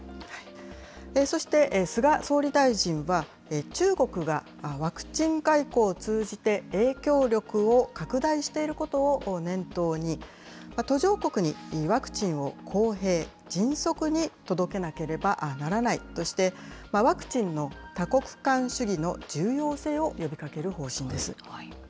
そして、菅総理大臣は、中国がワクチン外交を通じて、影響力を拡大していることを念頭に、途上国にワクチンを幸平・迅速に届けなければならないとして、ワクチンの多国間主義の重要性を呼びかける方針です。